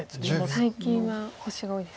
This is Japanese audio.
最近は星が多いですか。